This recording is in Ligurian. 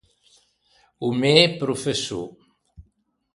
O mæ professô.